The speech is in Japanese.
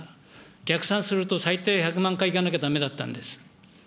逆算すると、最低１００万回いかなきゃだめだったんです。